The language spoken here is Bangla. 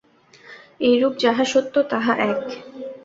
এইরূপ যাহা সত্য, তাহা এক।